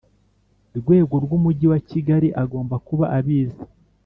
rwego rw Umujyi wa Kigali agomba kuba abizi